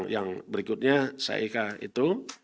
yang berikutnya saya ikat itu